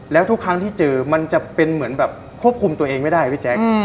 แล้วทุกครั้งที่เจอมันจะเป็นเหมือนแบบควบคุมตัวเองไม่ได้พี่แจ๊ค